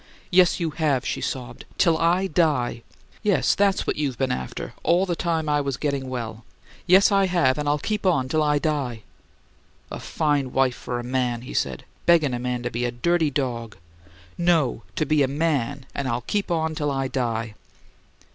"Yes, you have!" she sobbed. "Till I die." "Yes; that's what you been after all the time I was getting well." "Yes, I have, and I'll keep on till I die!" "A fine wife for a man," he said. "Beggin' a man to be a dirty dog!" "No! To be a MAN and I'll keep on till I die!"